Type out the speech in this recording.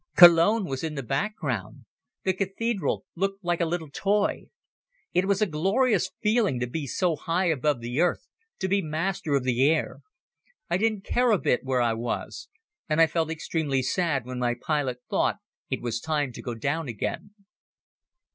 Cologne was in the background. The cathedral looked like a little toy. It was a glorious feeling to be so high above the earth, to be master of the air. I didn't care a bit where I was and I felt extremely sad when my pilot thought it was time to go down again.